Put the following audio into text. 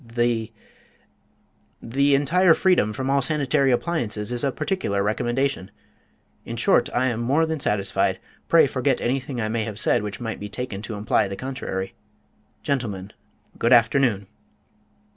The the entire freedom from all sanitary appliances is a particular recommendation. In short, I am more than satisfied. Pray forget anything I may have said which might be taken to imply the contrary.... Gentlemen, good afternoon!"